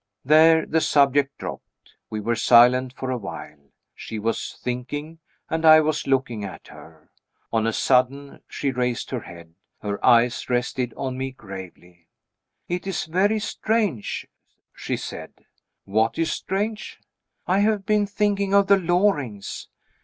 There the subject dropped. We were silent for a while. She was thinking, and I was looking at her. On a sudden, she raised her head. Her eyes rested on me gravely. "It is very strange!" she said "What is strange?" "I have been thinking of the Lorings.